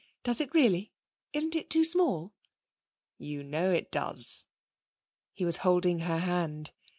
'Does it really? Isn't it too small?' 'You know it does.' He was holding her hand.